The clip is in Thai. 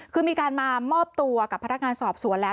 คือมีการมามอบตัวกับพนักงานสอบสวนแล้ว